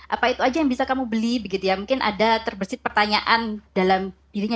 apa itu aja yang bisa kamu beli begitu ya mungkin ada terbersih pertanyaan dalam dirinya